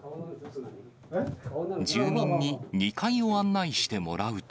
住民に２階を案内してもらうと。